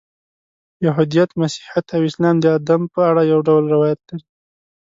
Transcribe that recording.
یهودیت، مسیحیت او اسلام د آدم په اړه یو ډول روایات لري.